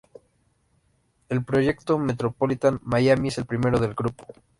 El proyecto Metropolitan Miami es el primero del grupo.